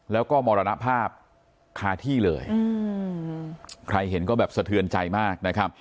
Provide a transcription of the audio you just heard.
แล้วก็มรณภาพคาที่เลยใครเห็นก็แบบสะเทือนใจมากนะครับ